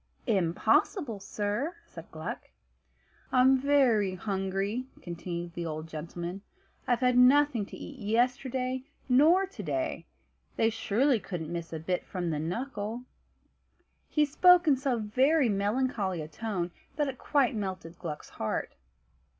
"Impossible, sir," said Gluck. "I'm very hungry," continued the old gentleman. "I've had nothing to eat yesterday, nor to day. They surely couldn't miss a bit from the knuckle!" He spoke in so very melancholy a tone, that it quite melted Gluck's heart.